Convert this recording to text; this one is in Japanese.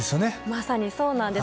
まさに、そうなんです。